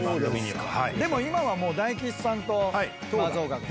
でも今はもう大吉さんと松岡君が。